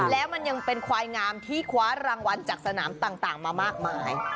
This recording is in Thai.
แล้วมันยังเป็นควายงามที่คว้ารางวัลจากสนามต่างมามากมาย